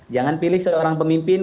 jangan pilih seorang pemimpin